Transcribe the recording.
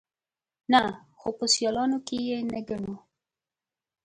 _نه، خو په سيالانو کې يې نه ګڼو.